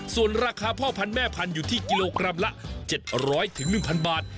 ส่วนราคาพ่อพันธุ์แม่พันธุ์อยู่ที่กิโลกรัมละ๗๐๐๑๐๐บาท